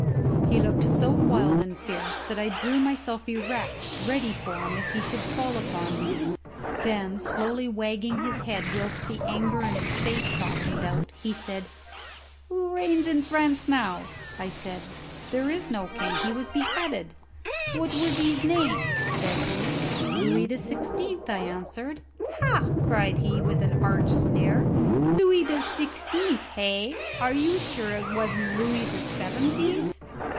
He looked so wild and fierce that I drew myself erect ready for him if he should fall upon me. Then, slowly wagging his head whilst the anger in his face softened out, he said, "Who reigns in France now?" I said, "There is no king; he was beheaded." "What was his name?" said he. "Louis the Sixteenth," I answered. "Ha!" cried he, with an arch sneer; "Louis the Sixteenth, hey? Are you sure it wasn't Louis the Seventeenth?"